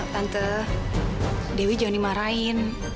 tante dewi jangan dimarahin